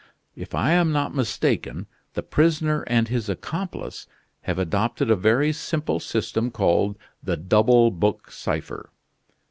"If I am not mistaken, the prisoner and his accomplice have adopted a very simple system called the double book cipher.